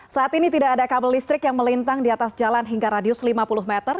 saat ini tidak ada kabel listrik yang melintang di atas jalan hingga radius lima puluh meter